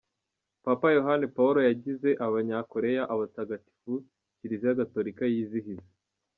Papa Yohani Paul wa yagize abanyakoreya abatagatifu Kiliziya Gatolika yizihiza.